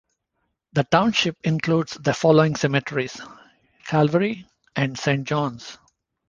The township includes the following cemeteries: Calvary and Saint Johns.